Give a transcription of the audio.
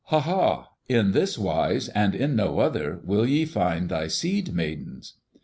"Ha! ha! In this wise and in no other will ye find thy Seed Maidens."